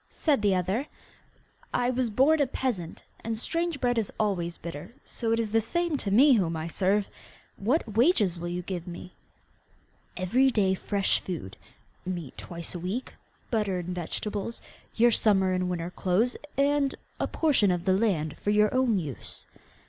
said the other. 'I was born a peasant, and strange bread is always bitter, so it is the same to me whom I serve! What wages will you give me?' 'Every day fresh food, meat twice a week, butter and vegetables, your summer and winter clothes, and a portion of land for your own use.